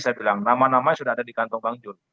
saya bilang nama nama sudah ada di kantong bang jul